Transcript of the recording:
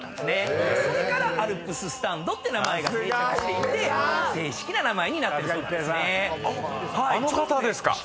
それからアルプススタンドって名前が定着していって正式な名前になってるそうなんですね。